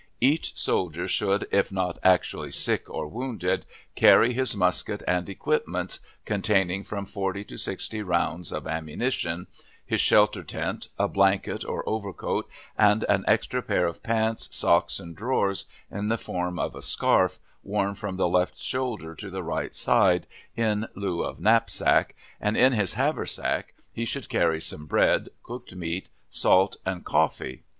Each soldier should, if not actually "sick or wounded," carry his musket and equipments containing from forty to sixty rounds of ammunition, his shelter tent, a blanket or overcoat, and an extra pair of pants, socks, and drawers, in the form of a scarf, worn from the left shoulder to the right side in lieu of knapsack, and in his haversack he should carry some bread, cooked meat, salt, and coffee.